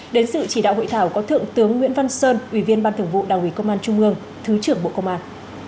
đến sự chỉ đạo hội thảo có thượng tướng nguyễn văn sơn ủy viên ban thường vụ đảng ủy công an trung ương thứ trưởng bộ công an